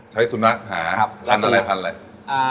ใช้สุนะหา